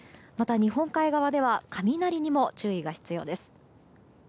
また日本海側では雷にも注意が必要です。